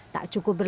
tak cukup berat